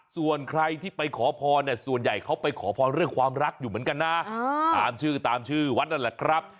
ส่วนใครที่ไปขอพรเนี่ยส่วนใหญ่เขาไปขอพรเรื่องความรักอยู่เหมือนกันนะตามชื่อตามชื่อวัดนั่นแหละครับ